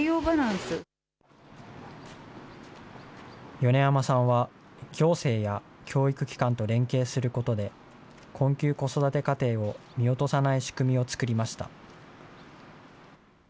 米山さんは、行政や教育機関と連携することで、困窮子育て家庭を見落とさない仕組みを作りました。